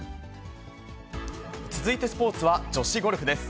続いてスポーツは女子ゴルフです。